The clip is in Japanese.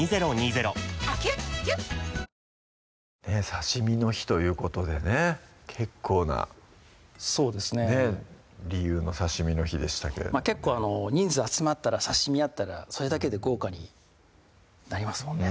刺身の日ということでね結構なね理由の刺身の日でしたけれどもね結構人数集まったら刺身あったらそれだけで豪華になりますもんね